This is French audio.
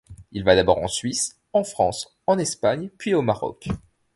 Il va d'abord en Suisse, en France, en Espagne puis au Maroc.